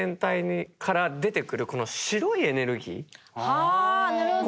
はあなるほど。